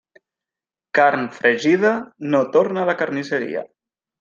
Carn fregida no torna a la carnisseria.